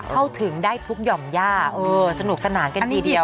เข้าถึงได้ทุกหย่อมย่าสนุกสนานกันทีเดียว